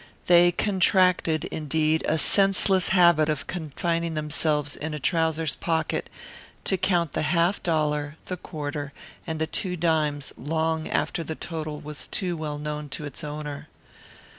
They contracted, indeed, a senseless habit of confining themselves in a trouser's pocket to count the half dollar, the quarter, and the two dimes long after the total was too well known to its owner.